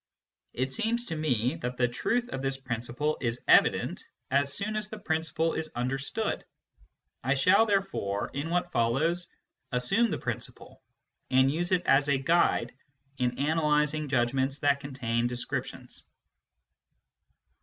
It seems to me that the truth of this principle is evident as soon as the principle is understood ; I shall, therefore, in what follows, assume the principle, and use it as a guide in analysing judgments that contain descriptions.